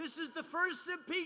ini adalah pemakzulan pertama